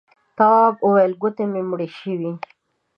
تواب وويل: گوتې مې مړې شوې.